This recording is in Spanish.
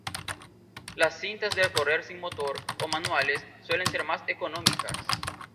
Las cintas de correr sin motor o manuales suelen ser más económicas.